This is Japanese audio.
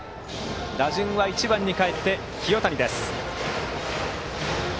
打順は１番にかえって清谷。